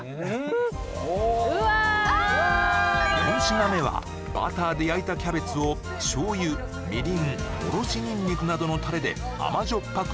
４品目はバターで焼いたキャベツを醤油みりんおろしニンニクなどのタレで甘じょっぱく